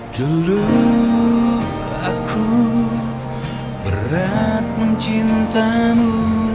dulu aku berat mencintamu